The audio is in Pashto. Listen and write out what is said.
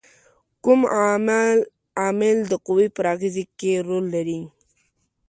کوم عامل د قوې پر اغیزې کې رول لري؟